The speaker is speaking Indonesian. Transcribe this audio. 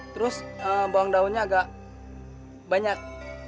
terus bawang daunnya agak banyak